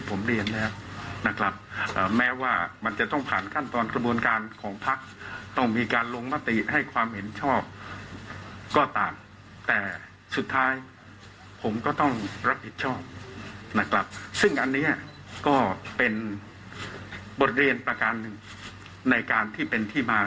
บทเรียนประการหนึ่งในการที่เป็นที่มา